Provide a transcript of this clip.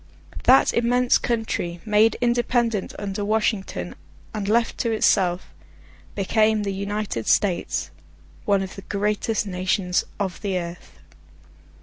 That immense country, made independent under Washington, and left to itself, became the United States; one of the greatest nations of the earth.